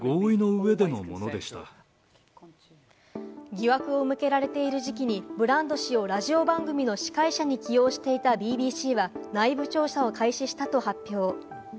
疑惑を向けられている時期にブランド氏をラジオ番組の司会者に起用していたＢＢＣは内部調査を開始したと発表。